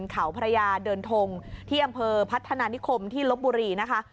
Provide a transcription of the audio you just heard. เขาพระยาเดินทงที่อำเภอพัฒนานิคมที่ลบบุรีนะคะ